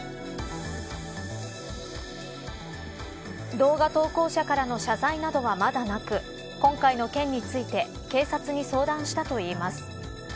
動画投稿者からの謝罪などはまだなく今回の件について警察に相談したといいます。